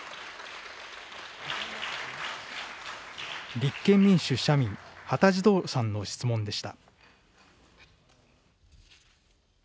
立憲民主・社民、羽田次郎さんの質問でした。